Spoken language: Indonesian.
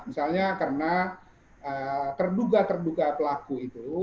misalnya karena terduga terduga pelaku itu